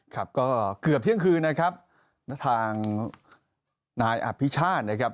ครับก็เกือบเที่ยงคืนนะครับทางนายอภิชาตินะครับ